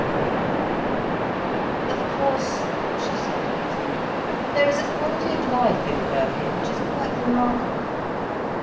"Of course," she said easily, "there is a quality of life in Birkin which is quite remarkable.